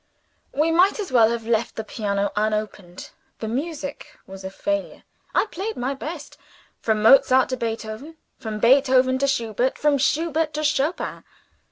We might as well have left the piano unopened. The music was a failure. I played my best. From Mozart to Beethoven. From Beethoven to Schubert. From Schubert to Chopin.